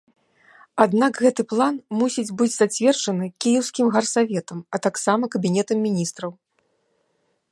Аднак гэты план мусіць быць зацверджаны кіеўскім гарсаветам, а таксама кабінетам міністраў.